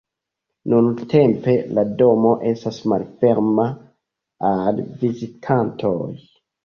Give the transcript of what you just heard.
Nuntempe, la domo estas malferma al vizitantoj.